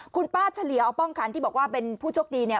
คุณป้าเฉลี่ยวป้องคันที่บอกว่าเป็นผู้โชคดีเนี่ย